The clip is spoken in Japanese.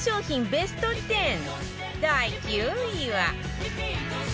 ベスト１０第９位は